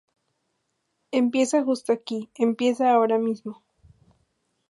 Empieza justo aquí, empieza ahora mismo.